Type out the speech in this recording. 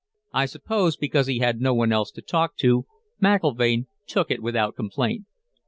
I suppose, because he had no one else to talk to, McIlvaine took it without complaint.